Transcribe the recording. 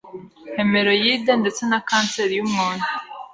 hemeroyide ndetse na kanseri y’umwoyo